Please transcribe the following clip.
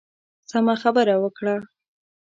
سمه خبره وکړه.